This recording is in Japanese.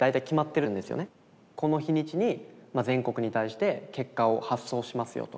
この日にちに全国に対して結果を発送しますよと。